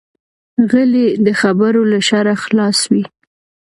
غلی، د خبرو له شره خلاص وي.